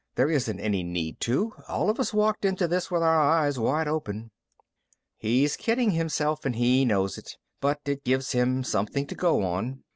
"There isn't any need to. All of us walked into this with our eyes wide open." "He's kidding himself and he knows it, but it gives him something to go on.